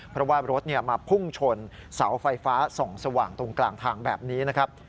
เพราะว่ารถมาพุ่งชนเสาไฟฟ้าส่องสว่างตรงกลางทางแบบนี้นะครับ